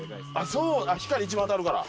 そう光一番当たるから。